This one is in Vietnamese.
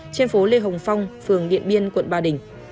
trên phố lê hồng phong phường điện biên quận ba đình